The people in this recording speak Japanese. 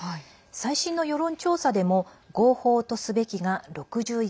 最新の世論調査でも「合法とすべき」が６１％。